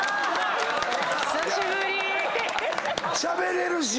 しゃべれるし。